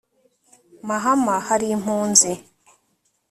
mahama hari impunzi